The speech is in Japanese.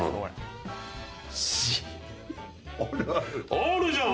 あるじゃん。